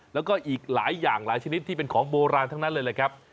แล้วก็อีกหลายอย่างหลายชนิดที่เป็นของโบราณทั้งนั้นเลยแหละครับ